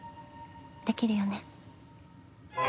できるよね？